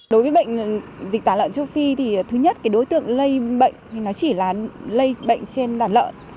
đối với dịch tả lợn châu phi thứ nhất đối tượng lây bệnh chỉ là lây bệnh trên đàn lợn